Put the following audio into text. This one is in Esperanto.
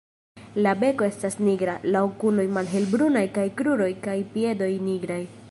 La beko estas nigra, la okuloj malhelbrunaj kaj kruroj kaj piedoj nigraj.